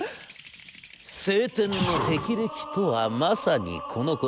青天の霹靂とはまさにこのこと。